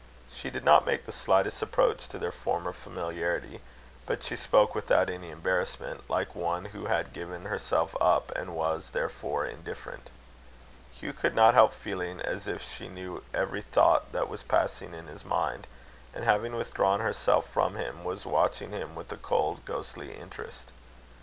She did not make the slightest approach to their former familiarity, but she spoke without any embarrassment, like one who had given herself up, and was, therefore, indifferent. Hugh could not help feeling as if she knew every thought that was passing in his mind, and, having withdrawn herself from him, was watching him with a cold, ghostly interest.